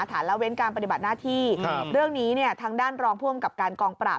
ละเว้นการปฏิบัติหน้าที่เรื่องนี้เนี่ยทางด้านรองผู้อำกับการกองปราบ